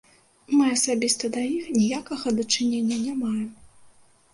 Мы асабіста да іх ніякага дачынення не маем.